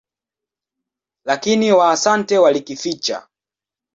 Lakini Waasante walikificha.